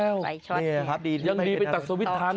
นี่นะครับดียังดีไปตัดสวิตช์ทัน